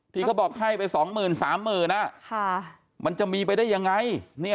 ที่เขาบอกให้ไปสองหมื่นสามหมื่นมันจะมีไปได้อย่างไร